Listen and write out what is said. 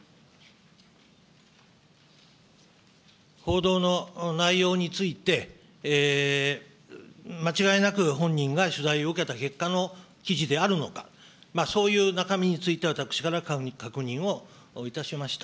報道の内容について、間違いなく本人が取材を受けた結果の記事であるのか、そういう中身について、私から確認をいたしました。